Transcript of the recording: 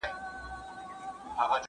زه اوس مړۍ خورم